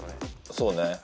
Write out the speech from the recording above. そうね。